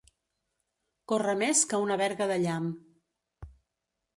Córrer més que una verga de llamp.